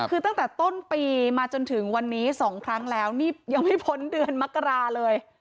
คือตั้งแต่ต้นปีมาจนถึงวันนี้๒ครั้งแล้วนี่ยังไม่พ้นเดือนมกราเลย